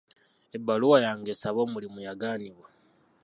Ebbaluwa yange esaba omulimu yagaanibwa.